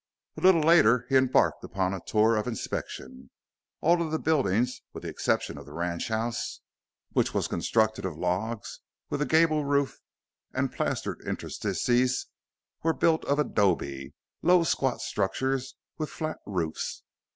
A little later he embarked upon a tour of inspection. All of the buildings, with the exception of the ranchhouse, which was constructed of logs, with a gable roof and plastered interstices were built of adobe, low, squat structures with flat roofs.